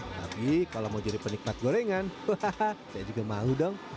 tapi kalau mau jadi penikmat gorengan hahaha saya juga mau dong